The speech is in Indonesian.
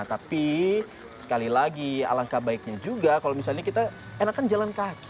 tapi sekali lagi alangkah baiknya juga kalau misalnya kita enakan jalan kaki